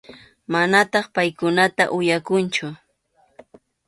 Manataq paykunata uyakunchu.